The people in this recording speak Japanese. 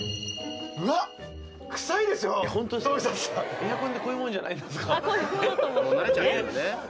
エアコンってこういうもんじゃないんですか？